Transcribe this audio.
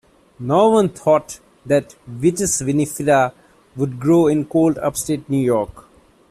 No one thought that "Vitis vinifera" would grow in cold upstate New York.